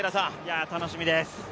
楽しみです。